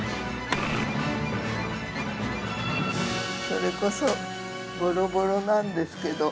それこそボロボロなんですけど。